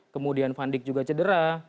kemudian van dyck juga cedera